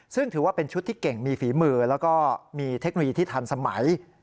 ซึ่งถือว่าเป็นชุดที่เก่งมีฝีมือแล้วก็มีเทคโนโลยีที่ทันสมัย